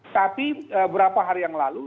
tapi beberapa hari yang lalu